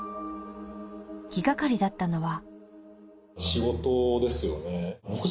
気がかりだったのは。